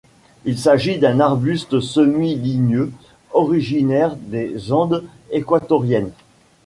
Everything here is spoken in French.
Il s'agit d'un arbuste semi-ligneux originaire des Andes équatoriennes.